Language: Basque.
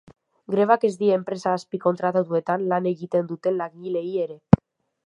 Grebak ez die enpresa azpikontratatuetan lan egiten duten langileei ere.